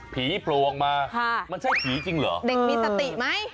ผีโพรงมามันใช่ผีจริงเหรออืมเด็กมีสติไหม